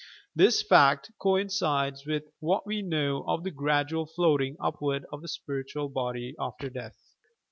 This fact coincides with what we know of the gradual floating upward of the spiritual body after death.